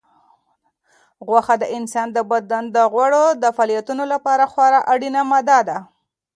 غوښه د انسان د بدن د غړو د فعالیتونو لپاره خورا اړینه ماده ده.